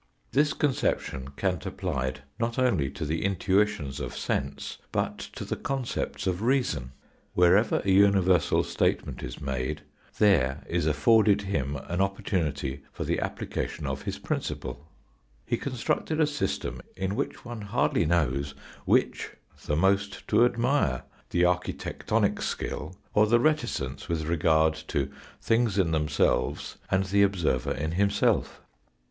This conception Kant applied, not only to the intuitions of sense, but to the concepts of reason wherever a universal statement is made there is afforded him an opportunity for the application of his principle. He constructed a system in which one hardly knows which the most to admire, the architectonic skill, or the reticence with regard to things in themselves, and the observer in himself.